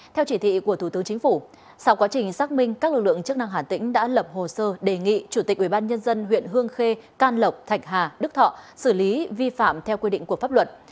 theo chỉ thị của thủ tướng chính phủ sau quá trình xác minh các lực lượng chức năng hà tĩnh đã lập hồ sơ đề nghị chủ tịch ubnd huyện hương khê can lộc thạch hà đức thọ xử lý vi phạm theo quy định của pháp luật